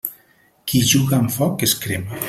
Qui juga amb foc es crema.